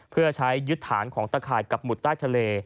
เพื่อใช้ยึดฐานของตะข่ายกับหมุดใต้ทะเล